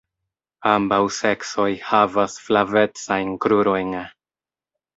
Ambaŭ seksoj havas flavecajn krurojn.